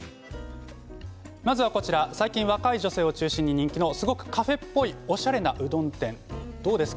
まずは、こちら最近若い女性を中心に人気のすごくカフェっぽいおしゃれなうどん店です。